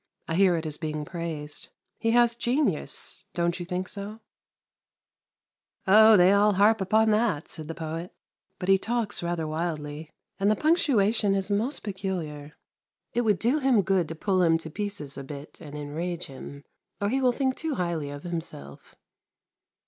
I hear it is being praised. He has genius, don't you think so ?' Oh, they all harp upon that,' said the poet; ' but he talks rather wildly! And the punctuation is most peculiar.' ".' It would do him good to pull him to pieces a bit and enrage him, or he will think too highly of himself